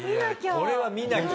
これは見なきゃ。